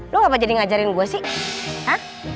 lu ngapa jadi ngajarin gue sih